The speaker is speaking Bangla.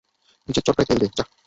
নিজের চরকায় তেল দে, যাহ।